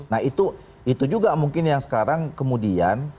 nah itu juga mungkin yang sekarang kemudian